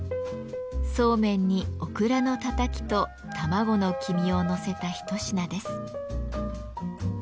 そうめんにオクラのたたきと卵の黄身をのせた一品です。